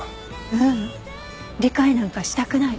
ううん理解なんかしたくない。